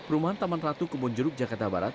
rumahan taman ratu kemunjeruk jakarta barat